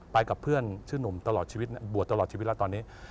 กับเพื่อนชื่อหนุ่มตลอดชีวิตบวชตลอดชีวิตแล้วตอนนี้